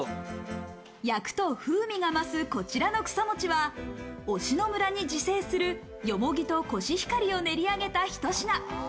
焼くと風味が増すこちらの草餅は、忍野村に自生するよもぎとコシヒカリを練り上げたひと品。